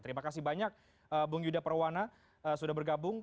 terima kasih banyak bung yuda perwana sudah bergabung